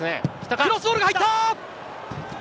クロスボールが入った。